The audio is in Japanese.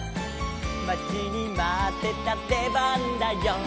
「まちにまってたでばんだよ」